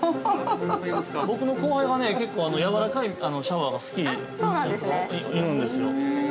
僕の後輩が結構、やわらかいシャワーが好きなやついるんですよ。